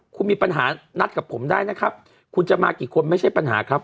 คุณมีปัญหานัดกับผมได้นะครับคุณจะมากี่คนไม่ใช่ปัญหาครับ